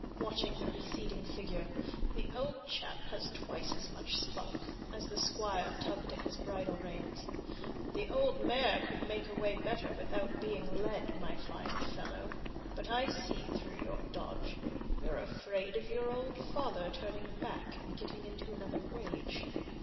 watching the receding figures, "The old chap has twice as much spunk," as the Squire tugged at his bridle reins. "The old mare could make her way better without being led, my fine fellow. But I see through your dodge. You're afraid of your old father turning back and getting into another rage.